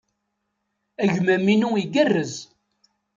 Agmam-inu igerrez.